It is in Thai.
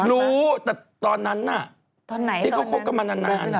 เนี่ยตอนนั้นใช่ไหมล่ะ